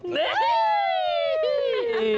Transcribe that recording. เฮ้ย